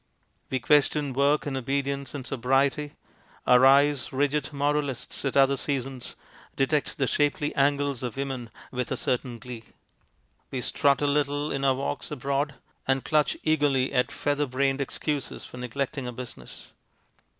We question work and obedience and sobriety. Our eyes, rigid moralists at other seasons, detect the shapely angles of women with a certain glee. We strut a little in our walks abroad, and clutch eagerly at feather brained excuses for neglecting our business.